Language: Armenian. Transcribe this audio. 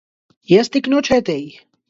Ես տիկնոջ հետ էի: